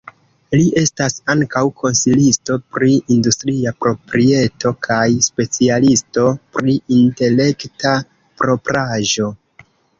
Li estas ankaŭ konsilisto pri industria proprieto, kaj specialisto pri Intelekta propraĵo.